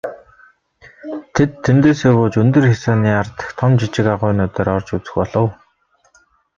Тэд тэндээсээ бууж өндөр хясааны ар дахь том жижиг агуйнуудаар орж үзэх болов.